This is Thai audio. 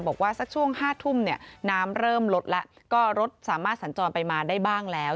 บอกว่าสักช่วง๕ทุ่มเนี่ยน้ำเริ่มลดแล้วก็รถสามารถสัญจรไปมาได้บ้างแล้ว